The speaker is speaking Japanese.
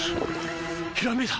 ひらめいた！